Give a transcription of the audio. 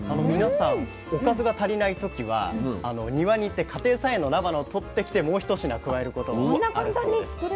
皆さんおかずが足りない時は庭に行って家庭菜園のなばなをとって来てもう一品加えることもあるそうです。